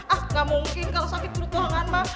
ah nggak mungkin kalau sakit perut doangan mak